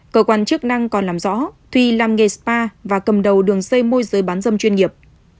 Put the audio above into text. cơ quan chức năng còn làm rõ thùy làm nghề spa và cầm đầu đường dây môi giới bán dâm chuyên nghiệp